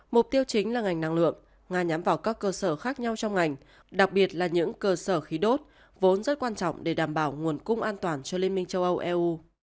mục tiêu chính là ngành năng lượng nga nhắm vào các cơ sở khác nhau trong ngành đặc biệt là những cơ sở khí đốt vốn rất quan trọng để đảm bảo nguồn cung an toàn cho liên minh châu âu eu